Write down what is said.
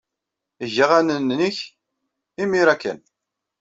Eg aɣanen-nnek imir-a kan.